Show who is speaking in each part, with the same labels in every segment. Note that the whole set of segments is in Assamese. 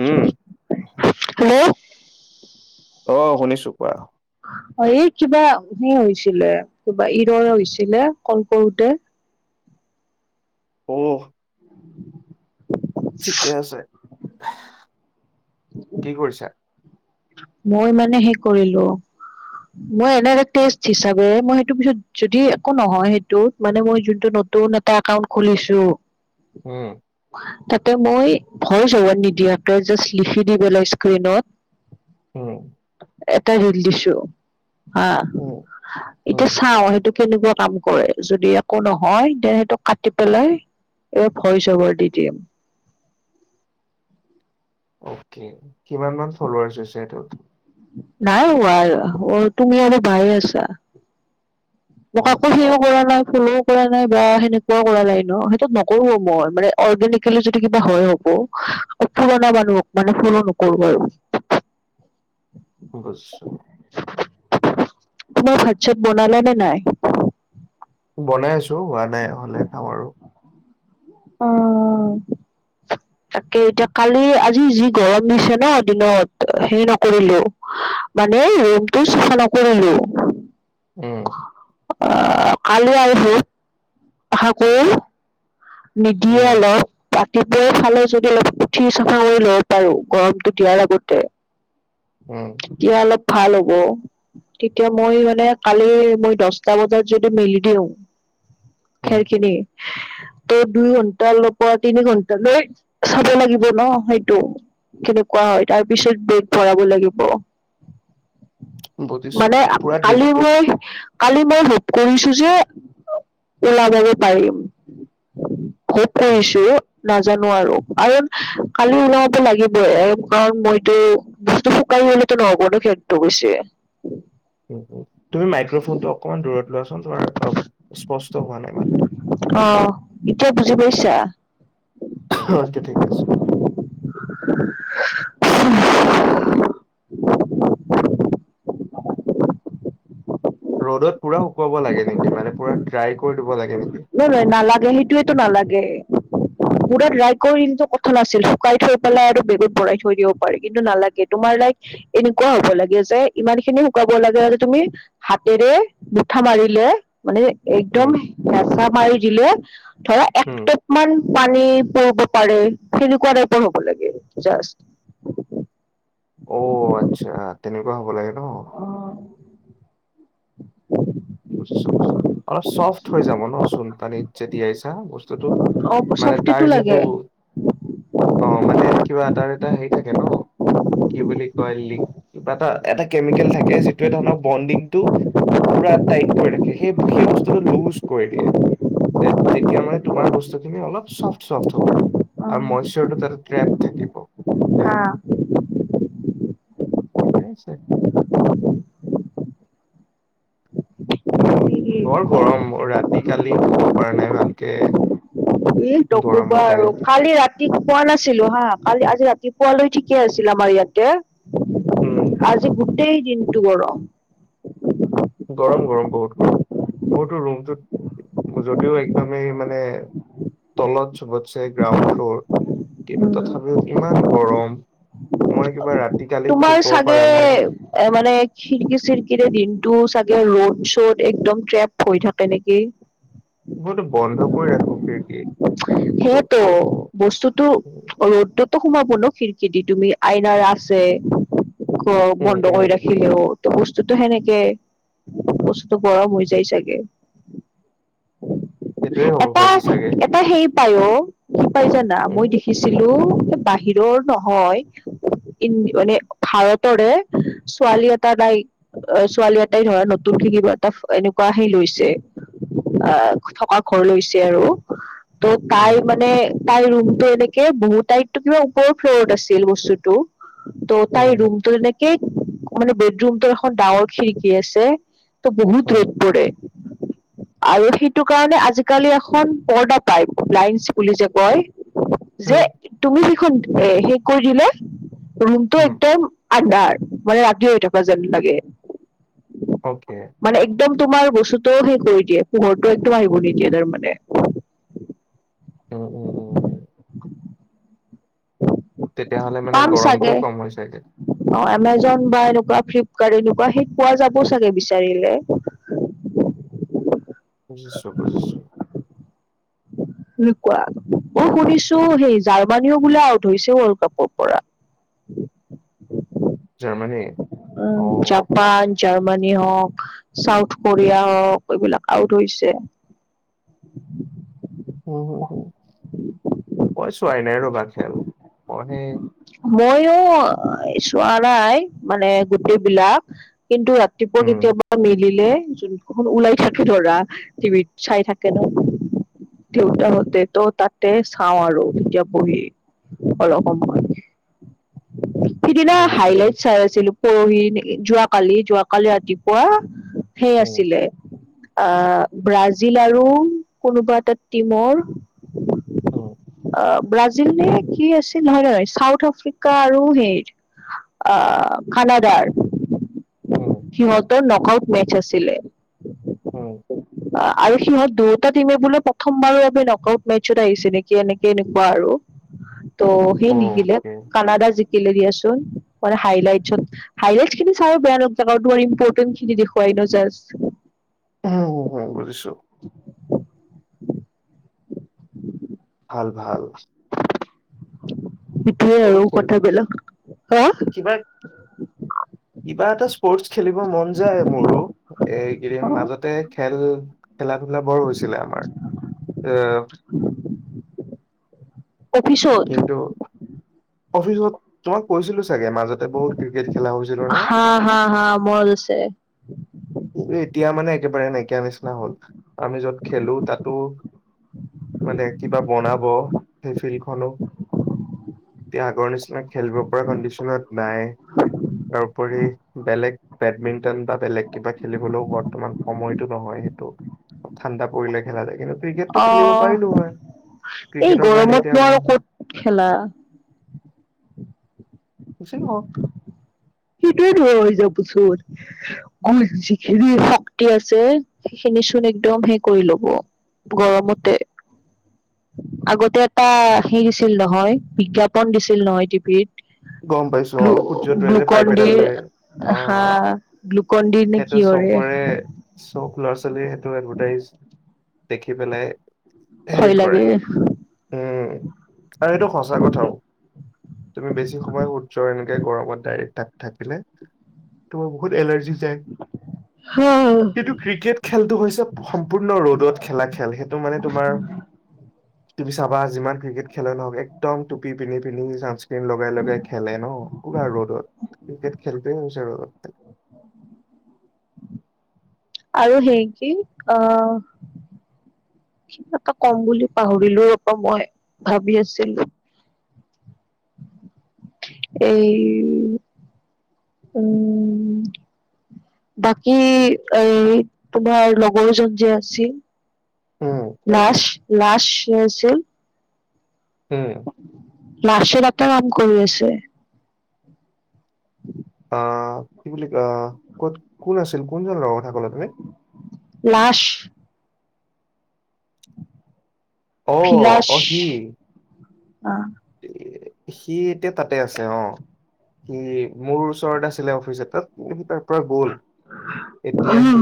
Speaker 1: উম।
Speaker 2: হেল্ল'।
Speaker 1: অ' শুনিছোঁ কোৱা।
Speaker 2: অ' এই কিবা হে হৈছিলে কিবা ইৰৰে হৈছিলে কল কৰোতে।
Speaker 1: অহ। ঠিকে আছে। কি কৰিছা?
Speaker 2: মই মানে হে কৰিলোঁ। মই এনে এটা ষ্টেট হিচাপে মই সেইটো পিছত যদি একো নহয় সেইটোত মানে মই যোনটো নতুন এটা একাউন্ট খুলিছোঁ।
Speaker 1: উম।
Speaker 2: তাতে মই ভয় যবাত নিদিয়াকে জাষ্ট লিখি দিবলৈই স্কণত।
Speaker 1: হম।
Speaker 2: এটা ৰীল দিছোঁ হা
Speaker 1: উম, উম।
Speaker 2: এতিয়া চাও সেইটো কেনেকুৱা কাম কয় যদি একো নহয় তে সেইটোক কাটি পেলাই এই ফচৱৰ ডিটিএম
Speaker 1: অকে কিমান মান ফলোৱাৰছ হৈছে সেইটোত
Speaker 2: নাই হোৱা তুমি আৰু পাই আছা মোক
Speaker 1: অ',
Speaker 2: কাকো
Speaker 1: অ'
Speaker 2: সেও কৰা নাই ফুলও কৰা নাই বা সেনেকুৱাও কৰা নাই ন সেইটো নকৰোঁ মই মানে অৰ্গেনিকেলি যদি কিবা হয় হব পুৰণা মানুহ মানে পুল নকব আৰু
Speaker 1: বুইছ
Speaker 2: তোমাৰ ভাত চাত বনালে নে নাই
Speaker 1: বনাই আছোঁ হোৱা নাই হ'লে খাম আৰু
Speaker 2: অ তাকে এতিয়া কালি আজি যি গৰম দিছে ন দিনত হেৰি নকৰিলেও মানে ৰুমটো চফা নকৰিলোঁ
Speaker 1: উম
Speaker 2: আহ কালি আৰু [unintelligible] নিদিয়ে
Speaker 1: উম,
Speaker 2: [unintelligible] ৰাতিপুৱা ফালে যদি অলপ উঠি চফা কৰি ল'ব পাৰো গৰমটো দিয়াৰ আগতে
Speaker 1: উম,
Speaker 2: তেতিয়া অলপ ভাল হ'ব। তেতিয়া মই মানে কালি মই দহটা বজাত যদি মেলি দিওঁ।
Speaker 1: উম।
Speaker 2: খেৰখিনি। ত দুই ঘন্টাৰ পৰা তিনি ঘন্টালৈ চাব লাগিব ন সেইটো। কেনেকুৱা হয় তাৰপিছত বেগ ভৰাব লাগিব।
Speaker 1: বুজিছো
Speaker 2: মানে
Speaker 1: পুৰা দূৰ-
Speaker 2: কালি মই কালি মই হোপ কৰিছোঁ যে ওলাবগৈ পাৰিম। হ'প
Speaker 1: উম,
Speaker 2: কৰিছো
Speaker 1: উম,
Speaker 2: নাজ জানো আৰু, আৰু কালি ওলাব লাগিব কাৰণ মইতো বস্তু শুকাই নহব ন খেৰটো গৈছে।
Speaker 1: তুমি মাইক্ৰফনটো অকমান দূৰত লোৱাচোন তোমাৰ অ স্পষ্ট হোৱা নাই মাত।
Speaker 2: ইতিয়া বুজি পাইছা?
Speaker 1: আ এতিয়া ঠিকে আছে।
Speaker 2: [inaudible]
Speaker 1: ৰ'দত পুৰা শুকাব লাগে নেকি মানে পুৰা ড্ৰাই কৰি দিব লাগে নেকি?
Speaker 2: নহয় নহয় নালাগে সেইটোয়েটো নালাগে। পোৰা ড্ৰাই কৰি কিন্তু কথা নাছিল শুকাই থৈ পেলাই আৰু বেগত ভৰাই থৈ দিব পাৰিকিন্তু নালাগে তোমাৰ লাইক এনেকুৱা হ'ব লাগে যে, ইমান খিনি শুকাব লাগে যে, তুমি হাতেৰে মুঠা মাৰিলে মানে
Speaker 1: উম,
Speaker 2: একদম হেচা মাৰি দিলে ধৰা
Speaker 1: উম।
Speaker 2: একটুপ মান পানী পৰিব পাৰে তেনেকুৱা টাইপৰ হ'ব লাগে জাষ্ট।
Speaker 1: অ' আতচ্ছা তেনেকুৱা হ'ব লাগে। ন
Speaker 2: অ'।
Speaker 1: বুজিছো, বুজিছো অলপ চফ্ট হৈ যাব ন চোন পানীত যে তিয়াইছা বস্তুটো।
Speaker 2: অ
Speaker 1: মানে তাৰ
Speaker 2: চফটিটো
Speaker 1: যিটো
Speaker 2: লাগে
Speaker 1: অ' মানে কিবা এটাৰ এটা হেৰি থাকে ন, কি বুলি কয় লিক কিবা এটা। এটা কেমিকেল থাকে যিটোৱে ধৰা বণ্ডিং টো পুৰা টাইট কৰি ৰাখে, সেই- সেই বস্তুটো লুজ কৰি দিয়ে। তে-তেতিয়া মানে তোমাৰ বস্তু খিনি অলপ চফ চফট হ'ব,
Speaker 2: অ
Speaker 1: আৰু মইশৰটো তাতে ক্ৰেপ থাকিব।
Speaker 2: হা।
Speaker 1: থিকেই আছে।
Speaker 2: [inaudible]
Speaker 1: উম, বৰ গৰম অ ৰাতি কালি শুব পৰা নাই ভালকে।
Speaker 2: ই নকবা
Speaker 1: গৰমতে
Speaker 2: আৰু কালি ৰাত ৰাতি শুৱা নাছিলো হা, কালি আজি ৰাতিপুৱালৈ ঠিকে আছিল আমাৰ
Speaker 1: উম
Speaker 2: ইয়াতে আজি গোটেই দিনটো গৰম।
Speaker 1: গৰম গৰম বহুত গৰম। মোৰতো ৰুমটোত যদিও একদমেই মানে তলত চবতছে গ্ৰাউণ্ড ফ্ল'ৰ। কিন্তু
Speaker 2: উম,
Speaker 1: তথাপিও ইমান গৰম মই কিবা ৰাত
Speaker 2: তোমাৰ চাগে, এ মানে খিৰিকি চিৰিকিৰে দিনটো চাগে এ ৰ'ড চদ একদম ক্ৰেপ হৈ থাকে নেকি?
Speaker 1: মইতো বন্ধ কৰি ৰাখো খিৰিকি।
Speaker 2: সেইয়েতো বস্তুতো ৰ'দতো সোমাব ন খিৰিকি দি তুমি আইনাৰ আছে গৰম
Speaker 1: উম
Speaker 2: বন্ধ কৰি
Speaker 1: উম
Speaker 2: ৰাখিলেও ত বস্তুটো সেনেকে বস্তুতটো গৰম হৈ যায় চাগে।
Speaker 1: সেইটোয়ে হ'ব
Speaker 2: এটা
Speaker 1: হৈছে চাগে
Speaker 2: এটা হেৰি কি পায় অ কি পাই জানা মই
Speaker 1: উম
Speaker 2: দেখিছিলো বাহিৰৰ নহয় ইন মানে ভাৰতৰে ছোৱালী এটা নাই ছোৱালী এটাই ধৰা নতুন খিনি কিবা এটা এনেকুৱা সেই লৈছে অ থকাৰ ঘৰ লৈছে আৰু। ত' তাই
Speaker 1: উম
Speaker 2: মানে তাইৰ ৰুমটো এনেকে বহুত তাই টো কিবা ওপৰ ফ্ল'ৰত আছিল বস্তুটো। ত' তাই
Speaker 1: উম
Speaker 2: ৰুমটোৰ এনেকে মানে বেডৰুমটোৰ এখন ডাৱৰ খিৰিকি আছে। ত' বহুত
Speaker 1: উম
Speaker 2: ৰ'দ পৰে আৰু সেইটো কাৰণে আজিকালি এখন পৰ্দা পাইপ লাইনচ বুলি যে কয় যে
Speaker 1: উম
Speaker 2: তুমি যিখন এ হে কৰি দিলে ৰুমটো
Speaker 1: উম
Speaker 2: একদম আন্ধাৰ মানে ৰাতি হৈ থকা যেন লাগে।
Speaker 1: অকে।
Speaker 2: মানে একদম তোমাৰ বস্তুটোও শেষ কৰি দিয়ে, পোহৰটো একদম আহিব নিদিয়ে তাৰমানে।
Speaker 1: উম উম উম। তেতিয়াহ'লে মানে
Speaker 2: পাম চাগে
Speaker 1: গৰমটোও কম হয় চাগে?
Speaker 2: অ এমেজন বা এনেকুৱা ফিলিকাৰ্ট এনেকোৱা হেৰিত পোৱা যাব চাগে বিচাৰিলে।
Speaker 1: বুজিছো বুজিছো।
Speaker 2: এনেকুৱা, মই শুনিছো সেই জাৰ্মানীও বোলে আউট হৈছে ৱৰ্ল্ড কাপৰ পৰা। [inaudible]
Speaker 1: জাৰ্মানী অ
Speaker 2: উম জাপান জাৰ্মানী হওক, চাউথ কোৰিয়া হওক, এইবিলাক আউট হৈছে। [inaudible]
Speaker 1: হু হু হু বা খেল পঢ়ে
Speaker 2: মইয়ো চোৱা নাই মানে গোটেই বিলাক কিন্তু ৰাতিপুৱা
Speaker 1: উম,
Speaker 2: কেতিয়াবা মিলিলে যোনখন ওলাই থাকে ধৰা টিভিত চাই থাকে ন। দেউতাহঁতে ত তাতে চাওঁ আৰু তেতিয়া বহি অলপ। সিদিনা
Speaker 1: বুজিছো
Speaker 2: হাইলাইট
Speaker 1: বুজিছো।
Speaker 2: চাই আছিলোঁ। পৰহি যোৱাকালি, যোৱাকালি ৰাতিপুৱা সেই
Speaker 1: উম,
Speaker 2: আছিলে অ', ব্ৰাজিল আৰু কোনোবা এটা টিমৰ।
Speaker 1: উম,
Speaker 2: অ', ব্ৰাজিলনে কি আছি নহয়, নহয়, চাউথ আফ্ৰিকা আৰু হেই অ', কানাডাৰ।
Speaker 1: উম,
Speaker 2: সিহঁতৰ নক আউট মেচ আছিলে।
Speaker 1: উম।
Speaker 2: আৰু সিহঁত দুয়োটা টিমে বোলে প্ৰথমবাৰৰ আমি নক আউট মেচত আহিছে নেকি এনেকে, এনেকুৱা আৰু। ত' সি
Speaker 1: অ'কে।
Speaker 2: [unintelligible] কানাডা জি কেলে দিয়াচোন, মানে হাইলাইটচত, হাইলাইটচখিনি চাইও বেয়া [unintelligible] তোমাৰ ইম্পৰ্টেখিনি দেখুৱাই। [unintelligible]
Speaker 1: বুজিছো। ভাল, ভাল।
Speaker 2: সেইটোৱে
Speaker 1: সৰু
Speaker 2: আৰু
Speaker 1: খেল,
Speaker 2: কথাবিলাক হা
Speaker 1: কিবা, কিবা এটা। স্পৰ্টচ খেলিব মন যায় মোৰো, এইকেইদিন মাজতে খেল খেলা ধূলা বৰ হৈছিলে আমাৰ, এ
Speaker 2: অফিচত
Speaker 1: কিন্তু অফিচত তোমাক কৈছিলোঁ চাগে, মাজতে বহুত ক্ৰিকেট খেলা হৈছিলোঁ ন?
Speaker 2: হা হা হা মনত আছে
Speaker 1: এতিয়া মানে একেবাৰে নাইকিয়া নিচিনা হ'ল আমি য'ত খেলোঁ তাতো মানে কিবা বনাব, সেই ফিল্ডখনো। তিয়া আগৰ নিচিনা খেলিব পৰা কণ্ডিচনত নাই। তাৰপৰি বেলেগ বেডমিন্টন বা বেলেগ। কিবা খেলিবলৈও বৰ্তমান সময়টো নহয়, সেইটো ঠাণ্ডা পৰিলে খেলা যায় কিন্তু ক্ৰিকেটটো
Speaker 2: অ
Speaker 1: খেলিব পাৰিলো হয়
Speaker 2: এই
Speaker 1: ক্ৰিকেটৰ কাৰণে এতিয়া
Speaker 2: গৰমতনো আৰু ক'ত খেলা? [inaudible]
Speaker 1: বচি ক [inaudible]
Speaker 2: সেইটোয়ে দ হৈ যাবচত গ যিখিনি শক্তি আছে সেইখিনি পিছত একদম হে কৰি ল'ব গৰমতে আগতে এটা সেই দিছিল নহয় বিজ্ঞাপন দিছিল নহয় টিভিত
Speaker 1: গম পাইছো অ
Speaker 2: গ্লু
Speaker 1: সূৰ্য টোয়ে যে
Speaker 2: গ্লুকন
Speaker 1: পাইপ এডাল
Speaker 2: ডিৰ
Speaker 1: লৈ অ
Speaker 2: হা গ্লুকন ডিৰ নে
Speaker 1: সেইটো
Speaker 2: কিহৰে
Speaker 1: চবৰে চব ল'ৰা ছোৱালী সেইটোৱে [unintelligible] দেখি পেলাই
Speaker 2: ভয়
Speaker 1: হেৰি কৰে
Speaker 2: লাগে।
Speaker 1: উম আৰু সেইটো সঁচা কথাও তুমি বেছি [inaudible] জয়
Speaker 2: হা
Speaker 1: সেইটো ক্ৰিকেট খেলটো হৈছে সম্পূৰ্ণ ৰ'দত খেলা খেল সেইটো মানে তোমাৰ
Speaker 2: [unintelligible]
Speaker 1: তুমি চাবা যিমান ক্ৰিকেট খেলে নহওক একদম টুপী পন্ধি পিন্ধি ন্সাক্ৰীন লগাই ল খেলে ন পোৰা ৰ'দত ক্ৰিকেট খেলটোৱে হৈছে ৰ'দত খেল
Speaker 2: আৰু সেই কি আহ এটা কম বুলি পাহৰিলো ৰপ মই ভাবি আছিলো এই উম বাকী এ তোমাৰ লগৰজন যে আছিল
Speaker 1: উম
Speaker 2: লাশ লাশ [unintelligible]
Speaker 1: উম
Speaker 2: লাষ্টত আটা আম কৰি আছে
Speaker 1: আহ কি বুলি অহ ক'ত কোন আছিল কোনজন লগৰ কথা কলা তুমি
Speaker 2: লাশ
Speaker 1: অ
Speaker 2: villus
Speaker 1: O C A C এতিয়া তাতে আছে অ সি মোৰ ওচৰত আছিলে অফিচ এ তাত তি সি তাৰ পৰা গ'ল এতিয়া সি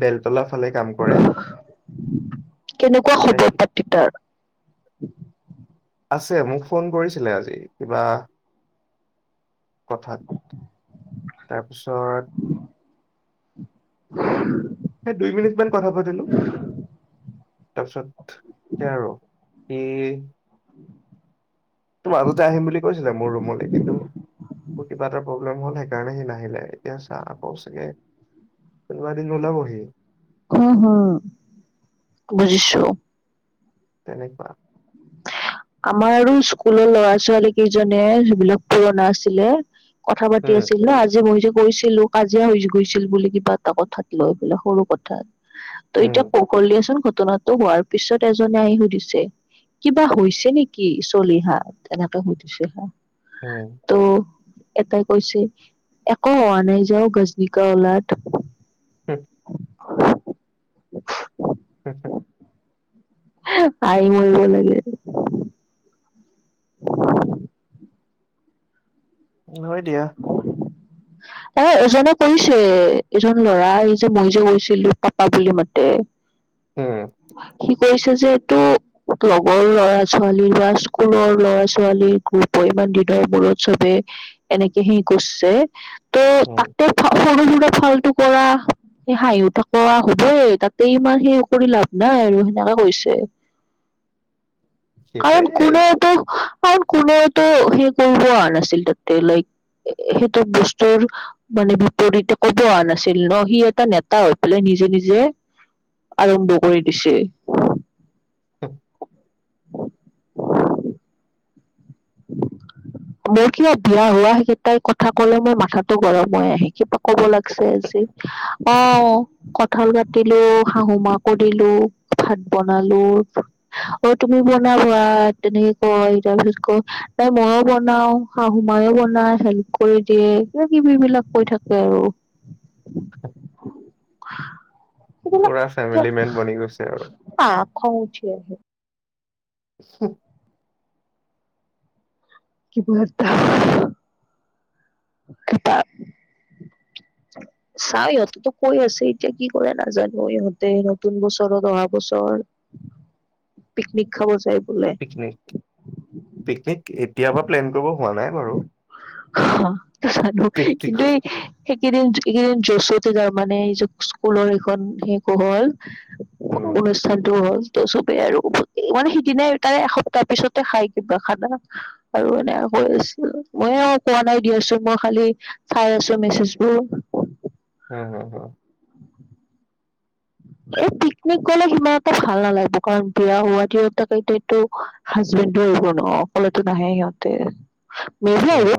Speaker 1: বেলতলা ফালে কাম কৰে
Speaker 2: কেনেকুৱা
Speaker 1: তাতে সি
Speaker 2: খবৰ পাতি তাৰ
Speaker 1: আছে মোক ফোন কৰিছিলে আজি কিবা কথাত তাৰপিছত
Speaker 2: উ [unintelligible]
Speaker 1: সেই দুই মিনিট মান কথা পাতিলো তাৰপিছত সেই আৰু ই ত মাজতে আহিম বুলি কৈছিলে মোৰ ৰুমলৈ কিন্তু মোৰ কিবা এটা প্ৰব্লেম হ'ল সেইকাৰণে সি নাহিলে এতিয়া চা আকৌ চাগে কোনবা দিন ওলাবহি
Speaker 2: উম হম বুজিছো
Speaker 1: তেনেকুৱা
Speaker 2: অ [unintelligible] আমাৰ আৰু স্কুলৰ ল'ৰা ছোৱালী কেইজনে যিবিলাক পুৰণা আছিলে কথা পাতি
Speaker 1: উম
Speaker 2: আছিল ন আজি মই যে গৈছিলো কাজিয়া হৈ গৈছিল বুলি কিবা এটা কথাত লয় বোলে সৰু কথাত ত
Speaker 1: উম
Speaker 2: এতিয়া কৌশল দিয়াচোন ঘটনাটো হোৱাৰ পিছত এজনে আহি সুধিছে কিবা হৈছে নেকি চলিহা এনেকুৱা হৈ দিছে হা
Speaker 1: অ
Speaker 2: ত' এটাই কৈছে একো হোৱা নাই যাও গাজনীকা ওলাত
Speaker 1: উম
Speaker 2: অ [unintelligible] আই মৰিব লাগে উ [unintelligible]
Speaker 1: হয় দিয়া।
Speaker 2: ত এজনে কৰিছে এজন ল'ৰা এই যে মই যে গৈছিলো পাপা বুলি মাতে। উ [unintelligible]
Speaker 1: হম।
Speaker 2: কৈছে যে এইটো লগৰ ল'ৰা ছোৱালী বা স্কুলৰ ল'ৰা ছোৱালীৰ গ্ৰুপৰ। ইমান দিনৰ মূৰত চবেই এনেকে হি গুচছে।
Speaker 1: অ।
Speaker 2: ফালটো কৰা। সেই হাঁহিও থকা কৰি হ'বই। তাতে ইমান সেই কৰি লাভ নাই আৰু সে। হৈছে।
Speaker 1: সেইটোৱে
Speaker 2: কাৰণ কোনোওটো কাৰণ - কোননেটো সেই কৰিব নাছিল তাতে লাইক সেইটো বস্তুৰ মানে বিপৰীতে ক'ব নাছিল। ন সি এটা নেতা হৈ পেলাই নি। নিজে নিজে আৰম্ভ কৰি দিছে।
Speaker 1: অ',
Speaker 2: [unintelligible] [inaudible] মোৰ কিবা বিয়া হোৱাকেইটাই কথা কলে মই মাথাো গৰম হৈ আহে কিবা ক'ব লাগে। আজি অ কঠল কাতিলো শাহু মাকো দিলো। ভাত বনালো অ তুমি বনাব তেনেকে কয় ই তাৰ পিছত ক। তাই মইো বনাও শাহু মায়ও বনাই হেল্প কৰি দিয়ে ক কিবি বিলাক কৈ থাকে। আৰু
Speaker 1: পুৰা ফেমিলি মেন বনি গৈছে আৰু
Speaker 2: [unintelligible]
Speaker 1: হ [unintelligible]
Speaker 2: কি বতাহ চা ইহঁততো কৈ আছে। এতিয়া কি কৰে নাজানো। ইহঁতে নতুন বছৰ অহা বছৰ পিকনিক খাব জাই।
Speaker 1: পিকনিক পিকনিক এতিয়া পৰা প্লেন কৰিব হোৱা নাই বাৰু।
Speaker 2: অ, জানো কিন্তু
Speaker 1: প্ৰেক্টিকত
Speaker 2: এই সেইকেইদিন এইকেইদিন যচোত তাৰ মানে এইয স্কুলৰ এইখন সেইো হ'ল।
Speaker 1: উম
Speaker 2: অনুষ্ঠানটো হ'ল। ত চবেই আৰু মানে সিদিনাই তাৰে এসপ্তাহ পিছতে খাই কিবা খানা আৰু মানে আৰু। মই আৰু কোৱা নাই দি আছো। মই খালি চাই আছো মেছেজ বোৰ
Speaker 1: উম, হু, হু।
Speaker 2: উ [unintelligible] এই পিকনিক গ'লে সিমান এটা ভাল নালাগে। কাৰণ বিয়া হোৱা তিৰোতা এইটো হাজবেণ্ডো। ন কলটো নহেঙতে
Speaker 1: উম
Speaker 2: ম